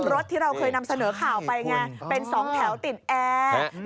ที่เราเคยนำเสนอข่าวไปไงเป็น๒แถวติดแอร์